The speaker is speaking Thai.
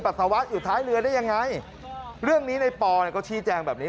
ปรัฐวัฒน์อยู่ท้ายเรือได้ยังไงเรื่องนี้ในปอชี้แจงแบบนี้